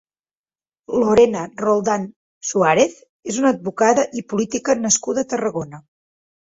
Lorena Roldán Suárez és una advocada i política nascuda a Tarragona.